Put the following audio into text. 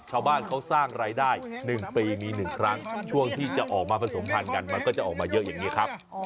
ชาวบ้านเขาสร้างรายได้๑ปีมี๑ครั้งช่วงที่จะออกมาผสมพันธ์กันมันก็จะออกมาเยอะอย่างนี้ครับ